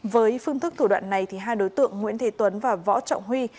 với phương thức thủ đoạn này hai đối tượng nguyễn thế tuấn và võ trọng huy